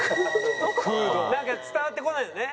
なんか伝わってこないのね。